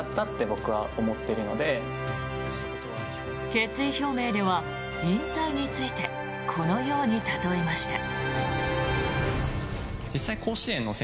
決意表明では引退についてこのように例えました。